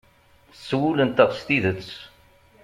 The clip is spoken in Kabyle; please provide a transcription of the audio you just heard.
S wul-nteɣ s tidet.